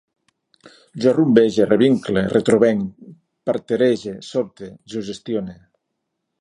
Jo rumbege, revincle, retrovenc, parterege, sobte, suggestione